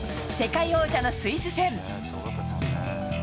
世界王者のスイス戦。